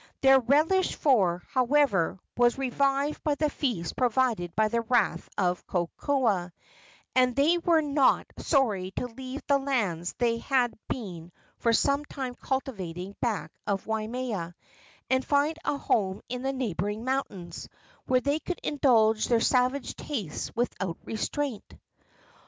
Their relish for it, however, was revived by the feast provided by the wrath of Kokoa, and they were not sorry to leave the lands they had been for some time cultivating back of Waimea, and find a home in the neighboring mountains, where they could indulge their savage tastes without restraint.